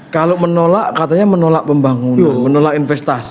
kalau menolak katanya menolak pembangunan menolak investasi